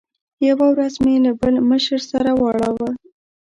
یوه ورځ مې له بل مشر سره واړاوه.